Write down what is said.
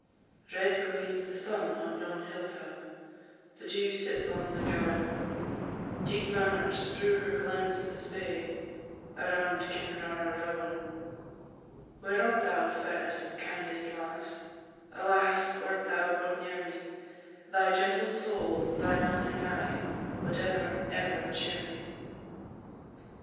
"_ Red gleams the sun on yon hill tap, The dew sits on the gowan; Deep murmurs through her glens the Spey, Around Kinrara rowan. Where art thou, fairest, kindest lass? Alas! wert thou but near me, Thy gentle soul, thy melting eye, Would ever, ever cheer me.